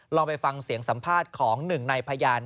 ลองไปฟังเสียงสัมภาษณ์ของหนึ่งในพยาน